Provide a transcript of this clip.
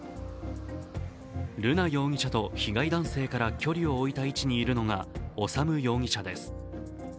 瑠奈容疑者と被害男性から距離を置いた位置にいるのが修容疑者です。